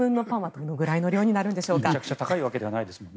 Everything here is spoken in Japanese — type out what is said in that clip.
めちゃくちゃ高いわけではないですよね。